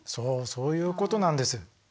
そういうことなんです。